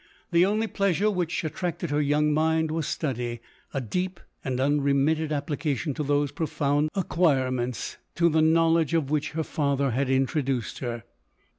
The only pleasure which attracted her young mind was study — a deep and unremitted application to those profound acquirements, to theknowledge of which her father had introduced her.